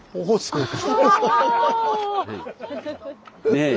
ねえ。